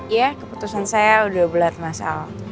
iya keputusan saya udah belat mas al